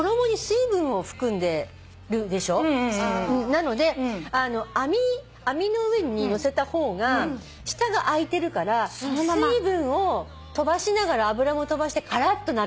なので網の上にのせた方が下があいてるから水分を飛ばしながら油も飛ばしてカラッとなるんだって。